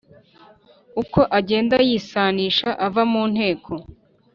uko agenda yisanisha ava mu nteko